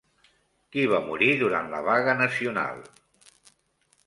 Qui va morir durant la vaga nacional?